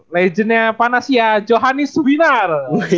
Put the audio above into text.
legendnya panasia johanis subinar